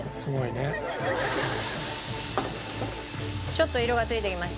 ちょっと色が付いてきました。